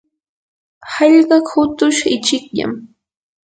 hallqa hukush ichikllam.